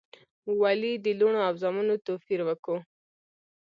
ولي د لوڼو او زامنو توپیر وکو؟